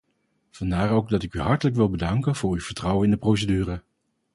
Vandaar ook dat ik u hartelijk wil bedanken voor uw vertrouwen in de procedure.